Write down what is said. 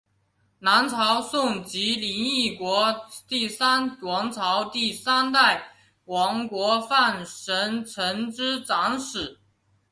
南朝宋及林邑国第三王朝第三代国王范神成之长史。